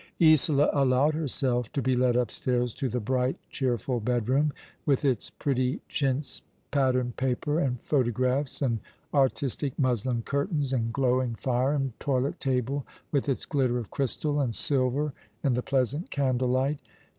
Isola allowed herself to be led upstairs to the bright, cheerful bedroom, with its pretty chintz pattern paper, and photographs, and artistic muslin curtains, and glowing fire, and toilet table, with its glitter of crystal and silver in the pleasant candlelight.